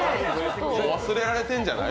忘れられてるんじゃない？